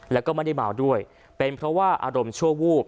แล้วก็ไม่ได้เมาด้วยเป็นเพราะว่าอารมณ์ชั่ววูบ